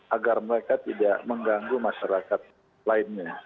agar mereka tidak mengganggu masyarakat lainnya